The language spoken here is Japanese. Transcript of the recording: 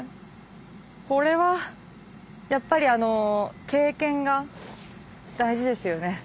これはやっぱりあの経験が大事ですよね。